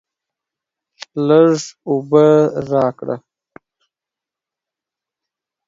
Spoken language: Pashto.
لږ اوبه راکړه.